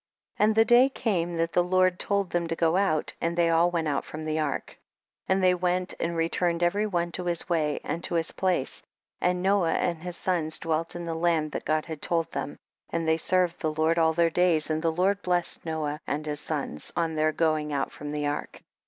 40. And the day came that the Lord told them to go out, and they all went out from the ark. 41. And they went and returned every one to his way and to his place, and Noah and his sons dwelt in the land that God had told them, and they served the Lord all their days, and the Lord blessed Noah and his sons on their going out from the ark.